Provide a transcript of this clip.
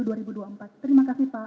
terima kasih pak